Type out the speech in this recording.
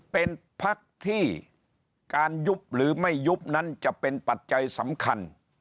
เป็นพักที่การยุบหรือไม่ยุบนั้นจะเป็นปัจจัยสำคัญ